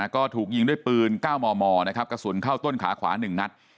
ก็ถูกยิงด้วยปืน๙มมนะครับกระสุนเข้าต้นขาขวา๑นัด